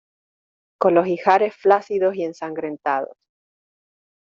con los ijares flácidos y ensangrentados